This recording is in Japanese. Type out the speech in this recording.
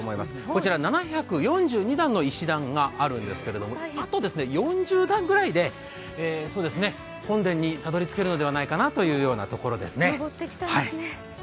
こちら、７４２段の石段があるんですけどもあと４０段ぐらいで本殿にたどり着けるんではないかなというところですね。